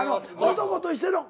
男としての。